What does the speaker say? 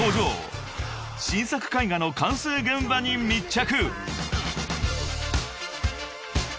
［新作絵画の完成現場に密着］